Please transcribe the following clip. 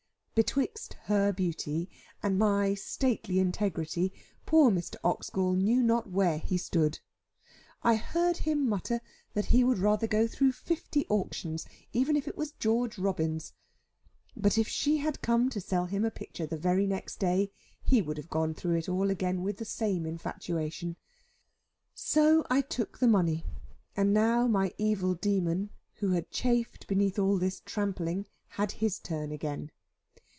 Betwixt her beauty and my stately integrity, poor Mr. Oxgall knew not where he stood. I heard him mutter that he would rather go through fifty auctions, even if it was George Robins. But if she had come to sell him a picture the very next day, he would have gone through it all again with the same infatuation. So I took the money; and now my evil demon, who had chafed beneath all this trampling, had his turn again.